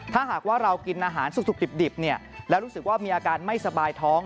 ถ้าหากว่าเรากินอาหารสุกดิบแล้วรู้สึกว่ามีอาการไม่สบายท้อง